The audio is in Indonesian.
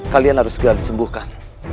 kalian harus segera disembuhkan